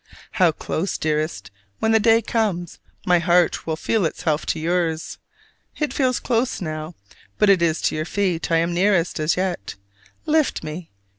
How close, dearest, when that day comes, my heart will feel itself to yours! It feels close now: but it is to your feet I am nearest, as yet. Lift me!